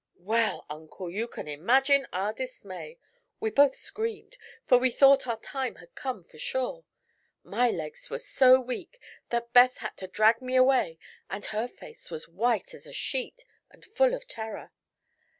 "Well, Uncle, you can imagine our dismay. We both screamed, for we thought our time had come, for sure. My legs were so weak that Beth had to drag me away and her face was white as a sheet and full of terror.